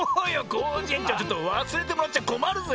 コージえんちょうちょっとわすれてもらっちゃこまるぜ。